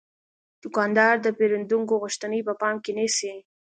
دوکاندار د پیرودونکو غوښتنې په پام کې نیسي.